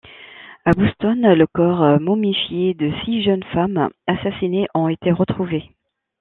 À Boston, le corps momifiés de six jeunes femmes assassinées ont été retrouvés.